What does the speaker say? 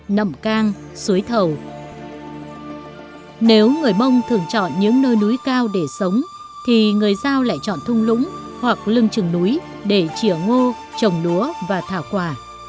nếu người mông thường chọn những nơi núi cao để sống thì người giao lại chọn thung lũng hoặc lưng trừng núi để chìa ngô trồng lúa và thả quả